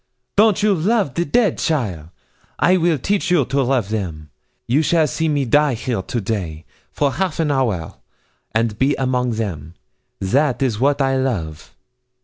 Don't you love the dead, cheaile? I will teach you to love them. You shall see me die here to day, for half an hour, and be among them. That is what I love.'